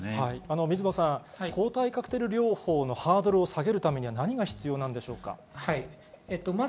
水野さん、抗体カクテル療法のハードルを下げるために何が必要ですか？